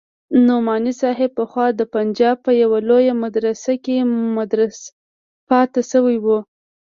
نعماني صاحب پخوا د پنجاب په يوه لويه مدرسه کښې مدرس پاته سوى و.